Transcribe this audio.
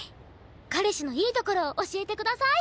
彼氏のいいところを教えてください。